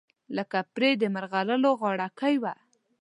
لکه پرې د مرغلرو غاړګۍ وه